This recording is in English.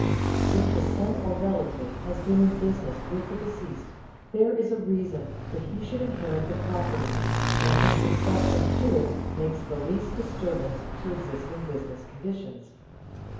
If the son or relative has been in business with the deceased, there is a reason that he should inherit the property, and his succession to it makes the least disturbance to existing business conditions.